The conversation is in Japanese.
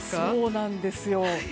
そうなんですよ。